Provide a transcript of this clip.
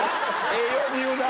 ええように言うな。